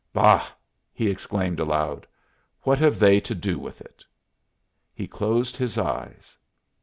"Bah!" he exclaimed aloud, "what have they to do with it?" He closed his eyes.